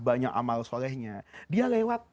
banyak amal solehnya dia lewat